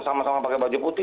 sama sama pakai baju putih